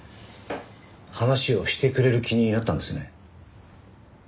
話をしてくれる気になったんですね。